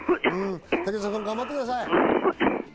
滝澤さん、頑張ってください。